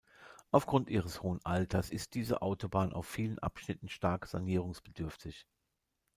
Aufgrund ihres hohen Alters ist diese Autobahn auf vielen Abschnitten stark sanierungsbedürftig.